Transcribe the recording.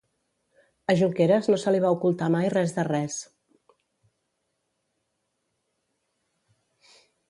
A Junqueras no se li va ocultar mai res de res.